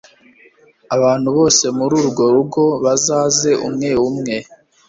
abantu bo muri urwo rugo bazaze, umwe umwe